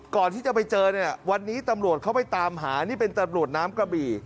ก่อนที่จะไปเจอเนี่ยวันนี้ตำรวจเข้าไปตามหานี่เป็นตำรวจน้ำกระบี่